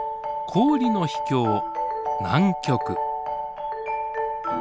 氷の秘境南極。